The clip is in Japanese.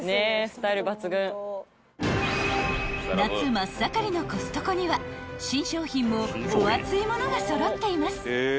［夏真っ盛りのコストコには新商品もおアツいものが揃っています］